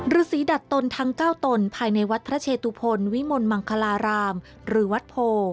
ฤษีดัดตนทั้ง๙ตนภายในวัดพระเชตุพลวิมลมังคลารามหรือวัดโพ